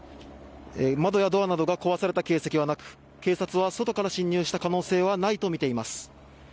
窓やドアなどが壊された形跡はなく、警察は外から侵入した可能性はないと見ています。